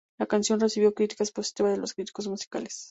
La canción recibió críticas positivas de los críticos musicales.